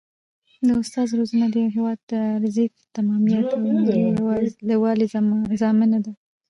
د استاد روزنه د یو هېواد د ارضي تمامیت او ملي یووالي ضامنه ده.